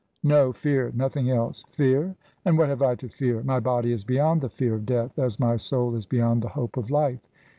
"No fear nothing else " "Fear? And what have I to fear? My body is beyond the fear of death, as my soul is beyond the hope of life.